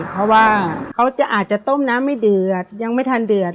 เพราะว่าเขาจะอาจจะต้มน้ำไม่เดือดยังไม่ทันเดือด